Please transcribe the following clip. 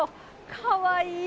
かわいい。